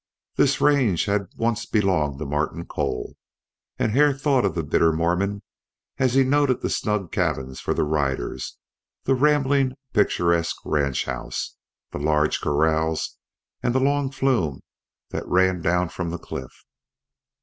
This range had once belonged to Martin Cole, and Hare thought of the bitter Mormon as he noted the snug cabins for the riders, the rambling, picturesque ranch house, the large corrals, and the long flume that ran down from the cliff.